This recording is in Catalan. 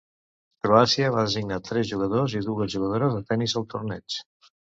Croàcia va designar tres jugadors i dues jugadores de tennis al torneig.